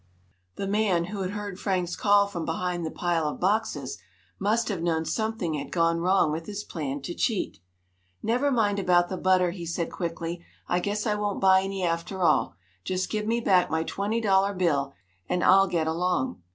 The man, who had heard Frank's call from behind the pile of boxes, must have known something had gone wrong with his plan to cheat. "Never mind about the butter," he said quickly. "I guess I won't buy any after all. Just give me back my twenty dollar bill, and I'll get along."